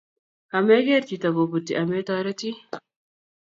Ameker chito kobuti ametoritii